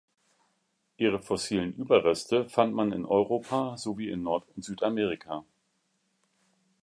Ihre fossilen Überreste fand man in Europa sowie in Nord- und Südamerika.